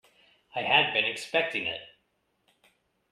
I had been expecting it.